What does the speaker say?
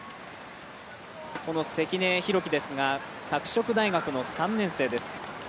関根大輝ですが、拓殖大学の３年生です。